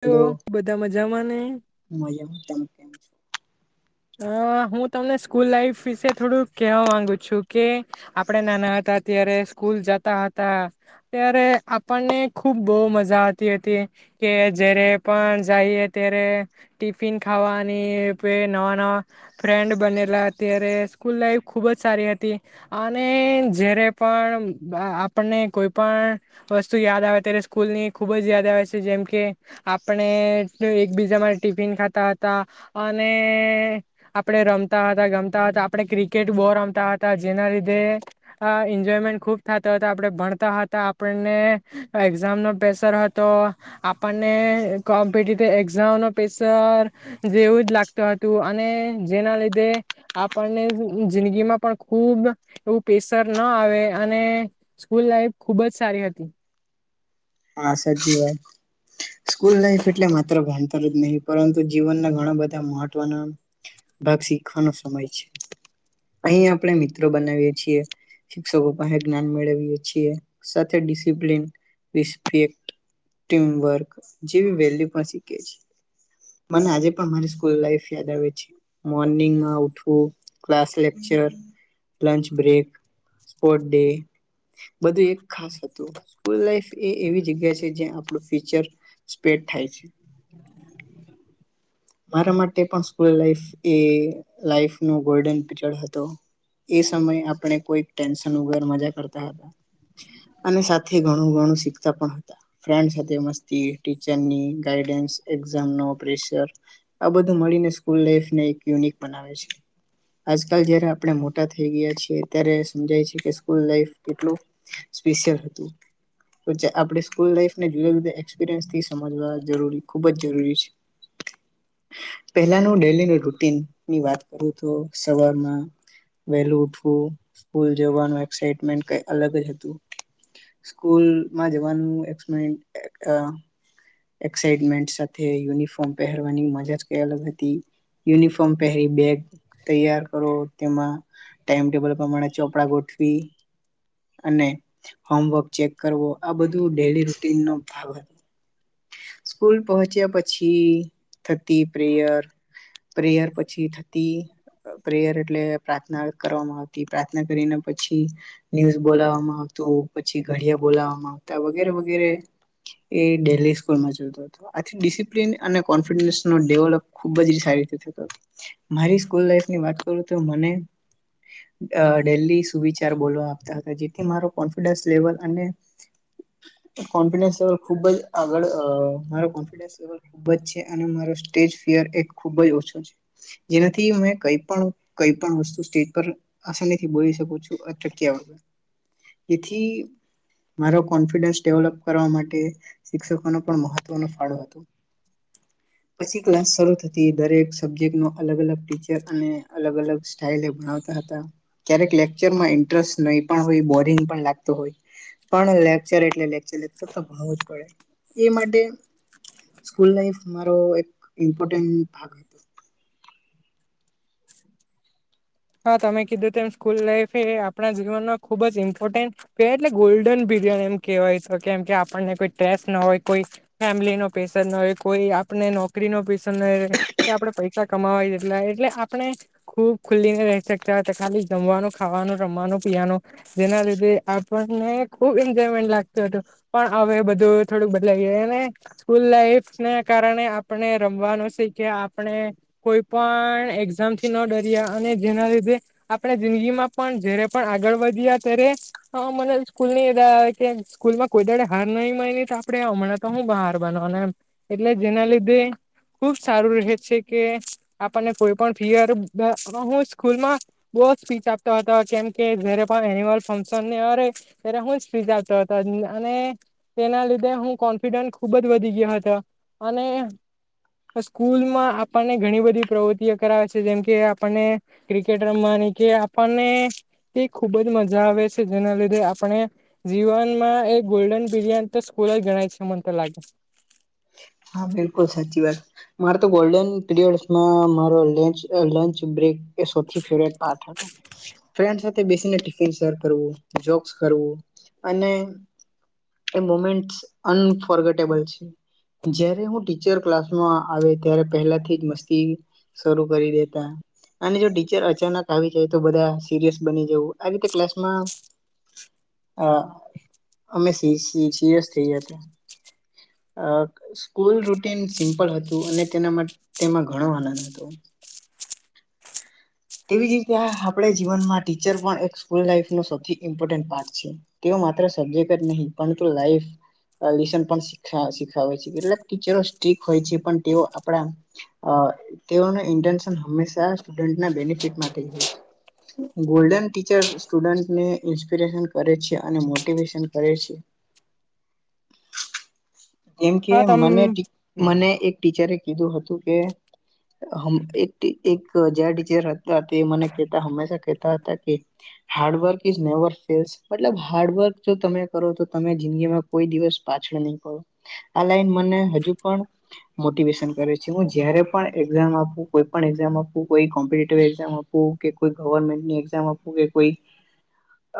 તો હેલો બધા મજા જામાંને? હું મજામાં. તમે કેમ છો? અં, હું તમને સ્કૂલ લાઈફ વિશે થોડુંક કહેવા માંગુ છું. કે આપણે નાના હતા ત્યારે સ્કૂલ જાતા હતા ત્યારે આપણને ખૂબ બોહ મજા આવતી હતી, કે જ્યારે પણ જાઈએ ત્યારે ટિફિન ખાવાની પે ન વા ફ્રેન્ડ બનેલા ત્યારે સ્કૂલ લાઈફ ખૂબ જ સારી હતી. અને જ્યારે પણ આપણને કોઈ પણ વસ્તુ યાદ આવે ત્યારે સ્કૂલની ખૂબ જ યાદ આવે છે, જેમ કે આપણે એકબીજામાં ટિફિન ખાતા હતા, અને આપણે રમતા હતા ગમતા હતા. આપણે ક્રિકેટ બો રમતા હતા જેના લીધે એન્જોયમેન્ટ ખુબ થાતો હતો. આપણે ભણતા હતા આપણને એક્ઝામનો પ્રેશર હતો. આપણને કોમ્પિટેટિવ એક્ઝામનો પ્રેશર જેવું જ લાગતું હતું. અને જેના લીધે આપણને જિંદગીમાં પણ ખૂબ એવું પ્રેશર ના આવે અને સ્કૂલ લાઈફ ખૂબ જ સારી હતી. હા સાચી વાત સ્કૂલ લાઈફ એટલે માત્ર ભણતર જ નહી પરંતુ જીવનના ઘણા બધા મહત્વના ભાગ શીખવાનો સમય છે. અહીં આપણે મિત્રો બનાવીએ છીએ શિક્ષકો પાસે જ્ઞાન મેળવીએ છીએ સાથે ડિસિપ્લિન રિસ્પેક્ટ, ટીમ વર્ક, જેવી વેલ્યુ પણ શીખીએ છીએ. મને આજે પણ મારરી સ્કૂલ લાઈફ યાદ આવે છે. મોર્નિંગમાં ઉઠવું, class lecture, lunch break, sport day બધું એક ખાસ હતું. સ્કૂલ લાઈફ એ એવી જગ્યા છે જ્યાં આપણું ફીચર સ્પેડ થાય છે. મારાં માટે પણ સ્કૂલ લાઈફ એ લાઈફ નો ગોલ્ડન પીરીઅડ હતો. એ સમય આપડે કોઈક ટેંશન વગર મજા કરતા હતા ને સાથે ઘણું ઘણું શીખતાં પણ હતા. ફ્રેન્ડ સાથે મસ્તી, ટીચર ની ગાયડેન્સ, એક્ષામ નો પ્રેસર આ બધું મળીને સ્કૂલ લાઈફને એક યુનિક બનાવે છે. આજકાલ જયારે આપણે મોટા થઈ ગયા છીએ ત્યારે સમજાય છે કે સ્કૂલ લાઈફ કેટલું સ્પેશિયલ હતું આપણે સ્કૂલ લાઈફને જુદા જુદા એક્સપિરિયન્સથી સમજવા જરી ખૂબ જ જરૂરી છે. પહેલાનું ડેલી રૂટીનની વાત કરું તો સવારે વહેલું ઉઠવું સ્કૂલ જવાનું એકસાઈટમેન્ટ કંઈક અલગ જ હતું. સ્કૂલમાં જવાનું એકસમેન્ટ અ એકસાઇટમેન્ટ સાથે યુનિફોર્મ પહેર વાની મજા જ કંઈક અલગ હતી. યુનિફોર્મ પહેરી બેગ તૈયાર કરો. તેમાં ટાઈમટેબલ પ્રમાણે ચોપડા ગોઠવી અને હોમવર્ક ચેક કરવો આ બધું ડેલી રૂટિનનો ભાગ હતો. સ્કૂલ પહોંચ્યા પછી થતી પ્રેયર પ્રેયર પછી પછી થતી પ્રેયર એટલે પ્રાર્થના કરવામાં આવતી પ્રાર્થના કરીને પછી ન્યૂઝ બોલાવવામાં આવતું, પછી ઘડિયા બોલાવવામાં આવત વગેરે વગેરે એ ડેલી સ્કૂલમાં જોતો હતો આથી ડિસિપ્લિન અને ન ડેવલપ ખુબ જ સારી રીતે થતો. મારી સ્કૂલ લાઈફની વાત કરું તો મને ડેલી સુવિચાર બોલવા આપતા હતા જેથી મારો કોન્ફિડન્સ લેવલ અને કોન્ફિડન્સ લેવલ ખુબ જ આગળ મારો કોન્ફિડસ લેવલ ખૂબ જ છે. અને મારો સ્ટેજ ફિઅર ખૂબ જ ઓછો છે. જેનાથી મેં કઈ પણ વસ્તુ સ્ટેજ પર આસાનીથી બોલી શકું છું અટક્યા વગર. એથી મારો કોફિડન્સ ડેવલપ કરવા માટે શિક્ષકોનો પણ મહત્વનો ફાળો હતો. પછી ક્લાસ શરૂ થતી, દરેક સબ્જેક્ટ નો અલગ અલગ ટીચર અને અલગ અલગ સ્ટાઈલ ભણાવતા હતા ક્યારેક લેક્ચરમાં ઇન્ટરેસ્ટ નહી પણ હોય બોરિંગ પણ લાગતો હોય પણ લેક્ચર એટલે લેક્ચર તો ભણવું જ પડે. મારો એક ઇમપોર્ટન્ટ ભાગ હતો. હા તમે કીધુંતું એમ સ્કૂલ લાઈફ એ આપણા જીવનમાં ખુબ જ ઇમ્પોર્ટન્ટ એટલે ગોલ્ડન પીરયડ એમ કેહેવાય છે કેમ કે આપણને કોઈ સ્ટ્રેસ ના હોય કોઈ ફેમિલી ન પેશર ના હોય કોઈ આપને નોકરી નો પેશર ન કે આપે પૈસા કમાવાયટલા એટ આપણે ખુબ ખુલ્લીને રહી શકતા હોય છે. ખાલી જમવાનું, ખાવાનું રમવાનું, પીવાનું જેના લીધે આ અમને ખુબ એજોયમેન્ટ લાગતું હતું પણ હવે બધું થોડું બદલાય ગયું અને સ્કૂલ લાઈફ ને કારણે આપણે રમવાનું શીખીએ, આપણે કોઈ પણ એગજ ઝામથી ના ડરીએ અને જેના લીધે આપણે જિંદગીમાં પણ જયારે પણ આગળ વધીએ ત્યારે આ મને સ્કૂલ ની યાદ આવે કે સ્કૂલમાં કોઈ દહાડે હાર નઈ માની તો આપડે હમણાં તો હું બહાર બનવાના એમ. એટલે જેના લીધે ખુબ સારું રહે છે કે આપણને કોઈ પ પણ ફિયર, હું સ્કૂલમાં બહુ સ્પીચ આપતો હતો કેમ કે જયારે પણ એન્યુઅલ ફંક્શન ને અરે ત્યારે હું સ્પીચ આપતો હતો અને તેના લીધે હું કોન્ફિડન્સ ખુબ જ વધી ગયો હતો અને સ્કૂલમાં આપણને ઘણી બધી પ્રવૃતિ કરાવે છે જેમ કે આપણને ક્રિકેટ રમવાની કે આપણને તે ખુબ જ મજા આવે છે જેના લીધે આપણે જીવનમાં એ ગોલ્ડન પીરયડ તો સ્કૂલ જ ગણાય છે મને તો લાગે હા બિલકુલ સાચી વાત. મારે તો ગોલ્ડન પિરીયડસમાં મારો લંચ કે લંચ બ્રેક એ સૌથી ફેવરેટમાં હતું. ફ્રેન્ડસ સાથે બેસીને ટીફિન શેર કરવું, જોક્સ કરવું અને એ મોમેન્ટસ અન્ફોરગેટેબલ છે. જયારે હું ટીચર ક્લાસમાં આવે ત્યારે પહેલાથી જ મસ્તી શરૂ કરી દેતા, અને જો ટીચર અચાનક આવી જાય તો બધા સિરિયસ બની જવું, આ રીતે ક્લાસમાં અહ અમે સિ સિ સિરિયસ થઈ જાતા. અહ સ્કૂલ રૂટીન સિમ્પલ હતું અને તેના મા તેમાં ઘણો આનંદ હતો. તેવી જષરીતે આપડે જીવનમાં ટીચર પણ એક સ્કૂલ લાઈફ નું સૌથી ઇમ્પોર્ટન્ટ પાર્ટ છે. તેઓ માત્ર સબ્જેક જ નહીં પરંતું લાઈફ [unintelligible] છે, એટલે ટીચરો સ્ટીક હોય છે તેઓ આપણા અહ તેઓનો ઇન્ટસન હમેશા જ સ્ટુડન્ટ ના [unintelligible] હોય છે. ગોલ્ડન ટીચર સ્ડુટન્ટને ઇન્સ્પિરેશન કરે છે અને મોટિવેશન કરે છે. કેમ કે હા તમ મને, હમ મને એક ટીચરએ કીધું હતું કેં હમ એક એ એક જ્યારે ટીચર હતા તે મને કેતા હંમેશા કહેતા હતા કે હાર્ડવર્ક ઈઝ નેવર ફેલ, એટલે હાર્ડવર્ક જો તમે કરો તો તમે જિંદગીમાં કોઈ દિવસ પાછળ નહી પડો. આ લાઈન મને હજુ પણ મોટિવેશન કરે છે. એવો જ્યારે પણ એક્ઝામ આપું, કોઈપણ એક્ઝામ આપું, કોઈપણ કોમ્પ્ટિટીવ એકઝામ આપું, કે કોઈ ગવર્મેન્ટની એક્ઝામ આપું કે કોઈ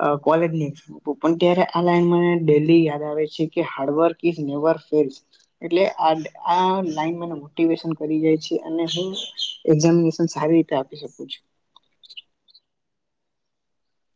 અહ કોલેજની, તો પણ ત્યારે આ લાઈન મને ડેઈલી યાદ આવે છે કે હાર્ડવર્ક ઈઝ નેવર ફેઈલ્સ. એટલે આ આ લાઈનનું મોટિવેશન મળી રહે છે અને હું એક્ઝામાશેસન સારી રીતે આપી શકું છુ.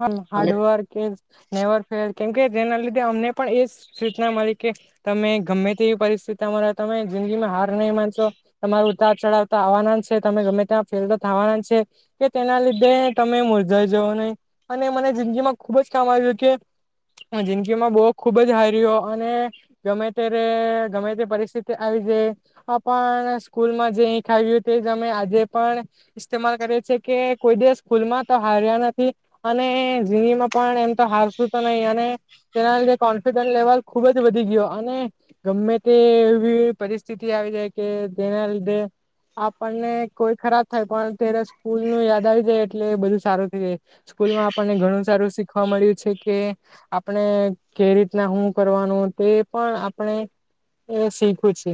[unintelligible] Hard work is never fails કેમ કે તેના લીધે અમને પણ એ સૂ સૂચના મળી કે તમે ગમે તેવી પરિસ્થિતિમાં તમારા તમે જિંદગીમાં હાર નહીં માનશો, તમાર ઉતાર ચડાવ તો આવવાના જ છે તમે ગમે ત્યાં ફેલ તો થવાના છે કે તેના લીધે તમે મૂર્જાઈ જવો નહી. અને મને જિંદગીમાં ખુબ જ કામ આવ્યું કે જિંદગીમાં બહુ ખુબ જ હાર્યો અને ગમે ત્યારે ગમે તે પરિસ્થિતિ આવી જાય તો પણ સ્કૂલમાં જે [unintelligible] એ તો મે આજે પણ ઇસ્તેમાલ કરે છે કે કોઈ દી સ્કૂલમાં તો હાર્યા નથી અને જિંદગીમાં પણ એમ તો હારશું તો નહી અને તેના લીધે કોન્ફિડન્ડ લેવલ ખુબ જ વધી ગયો, અને ગમે તે એવી પરિસ્થિતિ આવી જાય કે જેના લીધે આપણને કોઈ ખરાબ થાય પણ તેરે સ્કૂલ નું યાદ આવી જાય એટલે બધું સારું થઈ જાય. સ્કૂલ માં આપણને ઘણું સારું શીખવા મળ્યું છે કે આપણે કે રીતના હું કરવાનું તે પણ આપણે એ શીખું છે.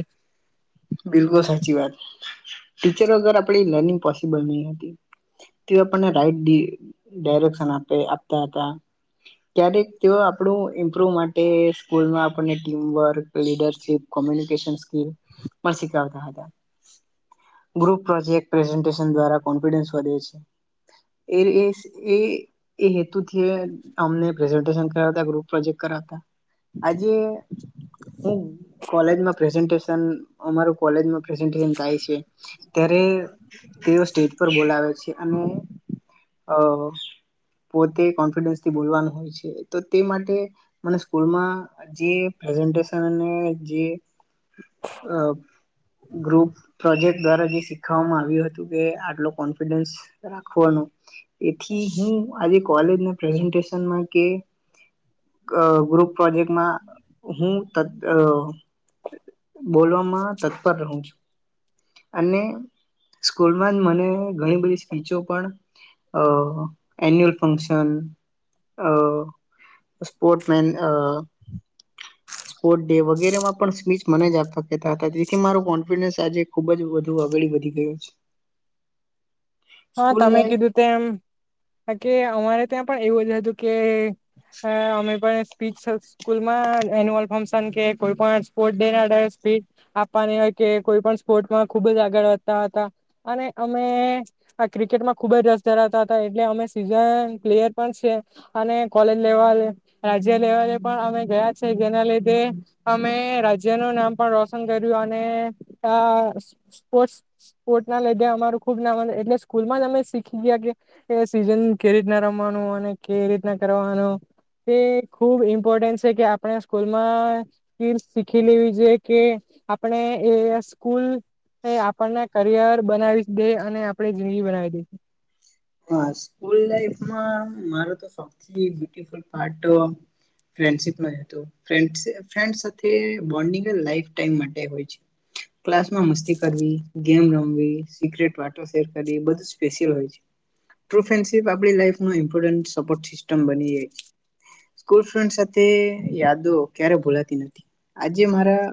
બિલકુલ સાચી વાત, ટીચરો અગર આપણી લર્નિંગ પોસિબલ નહી હતી તેઓ આપણને રાઈટ ડી ડાયરેશન આપે આપતા હતા, ક્યારેક તેઓ આપણું ઇમ્પ્રુવ માટે સ્કૂલમાં આપણને ટીમવર્ક, લીડરશીપ કોમ્યુનિકેસન સ્કીલ પણ શીખડાવતાં હતા, ગ્રુપ પ્રોજેક્ટ પ્રેઝન્ટેશન દ્વારા કોન્ફિડન્સ વધે છે, એ એસ એ એ એ તો થયે આમને પ્રેઝન્ટેશન કરાવતાં ગ્રુપમાં જે કરાવતાં, આજે હું કોલેજ માં પ્રેઝનટેન્શન અમારું કોલેજમાં પ્રેઝન્ટેશન થાય છે ત્યારે તેઓ સ્ટેજ પર બોલાવે છે અને અહ બોતે કોન્ફિડન્સથી બોલવાનું હોય છે તો તે માટે મને સ્કૂલમાં જે પ્રેઝન્ટેશન અને જે અહ ગ્રુપ પ્રોજેક્ટ દ્વારા જે શીખવામાં આવ્યું હતું કે આટલો કોન્ફિડન્સ રાખવાનો એથી હું આજે કોલેજનું પ્રેઝેશનમાં કે ગ ગ્રુપ પ્રોજેક્ટમાં હું તત અહ બોલવામાં તત્પર રહું છું. અને સ્કૂલમાં જ મને ઘણી બધી સ્પીચો પણ અહ એન્યુઅલ ફંક્શન, અહ સ્પોર્ટ મેન અહ સ્પોર્ટ ડે વગેરેમાં પણ સ્પીચ મને જ આપતા કતા હતા તેથી મારો કોન્ફિડન્સ આજે ખુબ જ વધુ આગળ વધી ગયો છે. હા સ્કૂલ તમે લાઈફ કીધું તેમ બાકી અમારે ત્યા પણ એવય હતુ કે હા અમે પણ. સ્પીચ સ્કૂલમાં એન્યુઅલ ફક્શન કે કોઈ પણ સ્પોર્ટ ડે ના સ્પીચ આપવાનીય હોય કે કોઈ પણ સ્પોર્ટમાં ખુબ જ આગળ હતા તા તા અને અમે આ ક્રિકેટમાં ખુબ જ રસ ધરાવતા હતા એટલે અમે સીઝન પ્લેયર પણ છે. અને કોલેજ લેવલ રાજ્ય લેવલે પણ અમે ગયા છે જેના લીધે અમે રાજ્ય ન નામ પણ રોશન કર્યું અને અ સ્પોટ સ્પર્ટ ના લીધે અમારું ખુબ નામ એ ને સ્કૂલમાં જ અમે શીખી ગયા કે એ સીઝન કે રીતના રમવાનું અને કે રીતના કરવાનો એ ખુબ ઇમ્પોર્ટન્ટ છે કે આપણે સ્કૂલમાં ખીર શીખી લેવી જોઈએ કે આપણે એ સ્કૂલ એ આપણને કરિયર બનાવી દે અને આપ ને જિંદગી બનાવી દઈ દે. હા સ્કૂલ લાઇફ મા મારો તો સવાથી બ્યુટીફુલ પાર્ટ અ ફ્રેન્ડશિપ નય હતો ફ્રેન્ડ સાથે બોન્ડિંગજ લાઇફ ટાઈમ માટે હોય છે, ક્લાસ મા મસ્તી કરવી, ગમે રમવી, સિક્રેટ વાતો શેર કરવી, બધું સ્પેશિયલ હોય છે. ટ્રુ ફ્રેન્ડશિપ આપડી લાઇફ નો સપોર્ટ સિસ્ટમ બની જાય છે. સ્કૂલ ફ્રેન્ડ સાથે યાદો ક્યારે ભૂલાતી નથી આજે મારા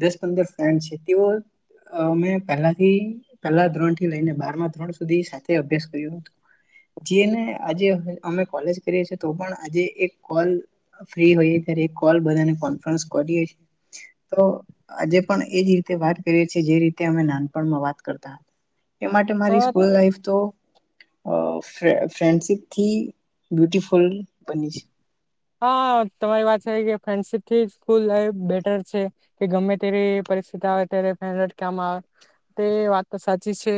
દસ પંદર ફ્રેન્ડ છે તેઓ અમે પલાથી પહેલા ધોરણ થી લઈને બારમાં ધોરણ સુધી સાથે તે અભ્યાસ કર્યો હતો જેને આજે અમે કોલેજ કરીએ છએ તો પણ આજે એક કોલ ફ્રી હોઈ કોલ બધા કોફરન્સ કરીએ છે તો આજે પણ એજ રીતે વાત કરીએ છીએ જે રીતે અમે નાનપણમાં વાત કરતા. એ માટે મારી હા સ્કૂલ લાઈફ અ ફ્રેન્ડશીપથી બ્યુટફુલ બની છે. હા તમારી વાત છે કે ફ્રેન્ડશીપ થી સ્કૂલ બેટર છે કે ગમે ત્યારે પરિસ્થિતિ આવે ત્યારે તેને કામ આવે તે વાત તો સાચી છે.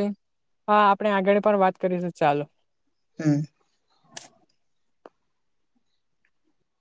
હા આપણે આગળ પણ વાત કરીશું ચાલો. હમ્મ.